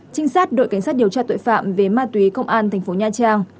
trinh sát đội cảnh sát điều tra tội phạm về ma túy công an thành phố nha trang